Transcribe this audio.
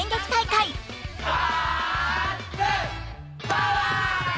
パワー！